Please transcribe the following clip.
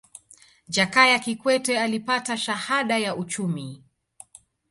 jakaya kikwete alipata shahada ya uchumi